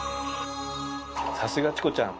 さすがチコちゃん！